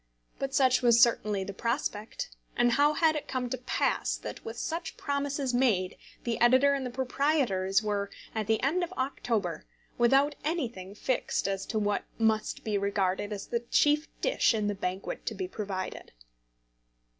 But such was certainly the prospect; and how had it come to pass that, with such promises made, the editor and the proprietors were, at the end of October, without anything fixed as to what must be regarded as the chief dish in the banquet to be provided?